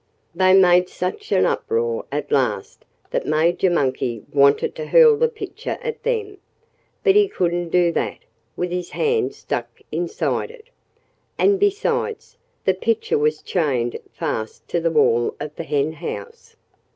They made such an uproar at last that Major Monkey wanted to hurl the pitcher at them. But he couldn't do that, with his hand stuck inside it. And besides, the pitcher was chained fast to the wall of the henhouse.